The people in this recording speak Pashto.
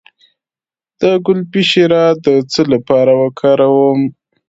د ګلپي شیره د څه لپاره وکاروم؟